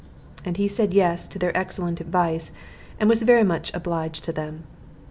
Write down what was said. And he said yes to their excellent advice, and was very much obliged to them.